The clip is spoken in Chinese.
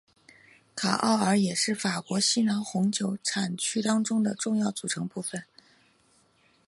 卡奥尔也是法国西南红酒产区当中的重要组成部分。